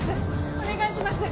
お願いします！